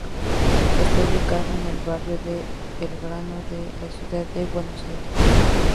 Está ubicada en el barrio de Belgrano de la ciudad de Buenos Aires.